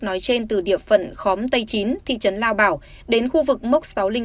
nói trên từ địa phận khóm tây chín thị trấn lao bảo đến khu vực mốc sáu trăm linh sáu